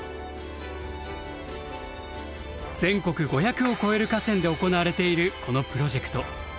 全国５００を超える河川で行われているこのプロジェクト。